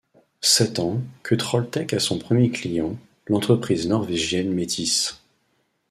C'est en que Trolltech a son premier client, l'entreprise norvégienne Metis.